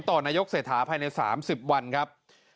นายกเศรษฐาภายใน๓๐วันครับ